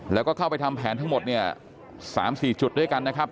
แล้วก็เข้าไปทำแผนทั้งหมดเนี่ย๓๔จุดด้วยกันนะครับ